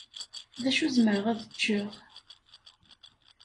Acu zemreɣ ad ččeɣ?